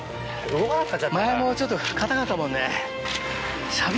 前もちょっとかたかったもんね。